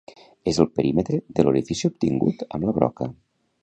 És el perímetre de l'orifici obtingut amb la broca.